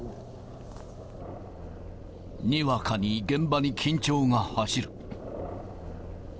にわかに現場に緊張が走る。